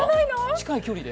近い距離で？